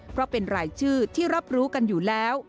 เพราะเป็นรายชื่อที่รับรู้กันอยู่แล้ว